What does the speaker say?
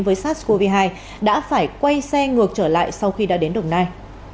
với sars cov hai đã phải quay xe ngược trở lại sau khi đã đến đồng nai